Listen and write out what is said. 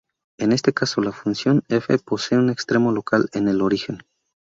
En este caso la función "f" posee un extremo local en el origen.